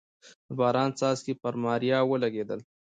د باران څاڅکي پر ماريا ولګېدل.